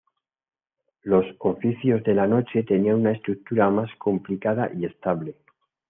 Los oficios de la noche tenían una estructura más complicada y estable.